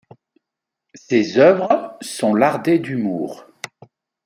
Ses œuvres sont lardées d'humour.